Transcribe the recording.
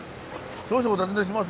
少々お尋ねします。